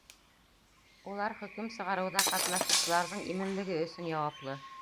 Улар хөкөм сығарыуҙа ҡатнашыусыларҙың именлеге өсөн яуаплы.